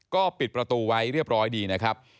ก็ปิดประตูไว้เรียบร้อยดีนะครับ